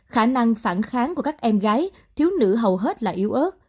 khả năng phản kháng của các em gái thiếu nữ hầu hết là yếu ớt